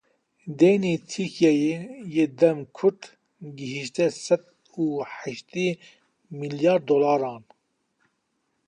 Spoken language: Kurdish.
Deynê Tirkiyeyê yê dem kurt gihişte sed û heştê milyar dolaran.